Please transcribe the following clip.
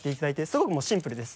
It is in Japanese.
すごくもうシンプルです。